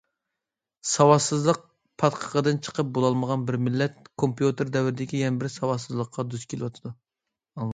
ساۋاتسىزلىق پاتقىقىدىن چىقىپ بولالمىغان بىر مىللەت كومپيۇتېر دەۋردىكى يەنە بىر ساۋاتسىزلىققا دۇچ كېلىۋاتىدۇ.